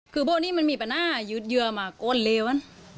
คือพวกนี้มันมีปัญหายืดเยื้อมาก้นเลวมัน